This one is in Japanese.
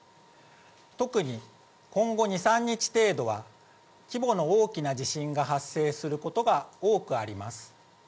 特に今後２、３日程度は、規模の大きな地震が発生することが多くあります。